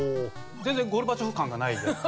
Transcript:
全然ゴルバチョフ感がないやつ。